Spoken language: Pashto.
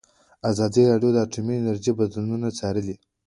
ازادي راډیو د اټومي انرژي بدلونونه څارلي.